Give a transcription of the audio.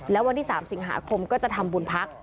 แล้ววันที่๓สิงหาคมก็จะทำบุญพัก